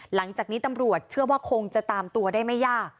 หลังจากนี้ตำรวจเชื่อว่าคงจะตามตัวได้ไม่ยาก